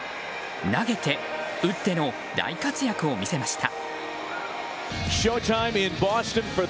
投げて、打っての大活躍を見せました。